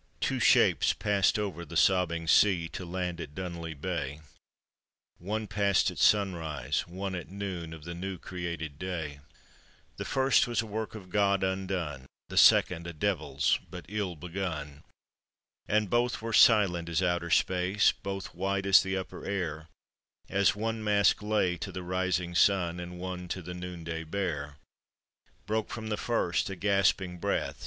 Two shapes passed over the sobbing sea To land at Dunolly bay ; One passed at sunrise, one at noon Of the new created day. The first was a work of God undone; The second, a devil's but ill begun. And both were silent as outer space, Both white as the upper air; As one mask lay to the rising sun, And one to the noon day bare, Broke from the first a gasping breath.